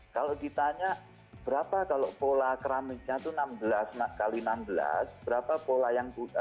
kalau ditanya berapa kalau pola keramiknya itu enam belas x enam belas